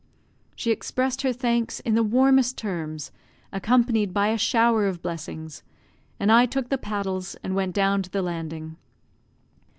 She expressed her thanks in the warmest terms, accompanied by a shower of blessings; and I took the paddles and went down to the landing.